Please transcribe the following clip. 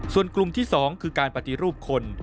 ส่วนกลุ่มที่๒คือการปฏิรูปคน